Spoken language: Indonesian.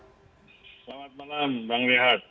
selamat malam bang lihat